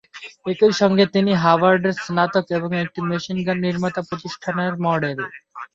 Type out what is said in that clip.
একই সঙ্গে তিনি হার্ভার্ডের স্নাতক এবং একটি মেশিন গান নির্মাতা প্রতিষ্ঠানের মডেল।